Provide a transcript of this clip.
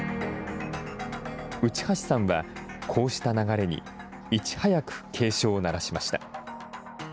内橋さんは、こうした流れにいち早く警鐘を鳴らしました。